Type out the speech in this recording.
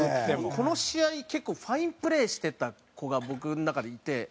この試合結構ファインプレーしてた子が僕の中でいて。